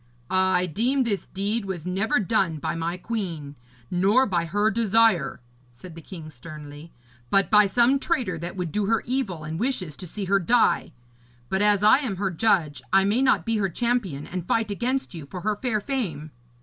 'I deem this deed was never done by my queen, nor by her desire,' said the king sternly, 'but by some traitor that would do her evil and wishes to see her die. But as I am her judge, I may not be her champion and fight against you for her fair fame.